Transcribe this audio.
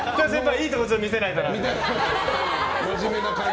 いいところ見せないとなと。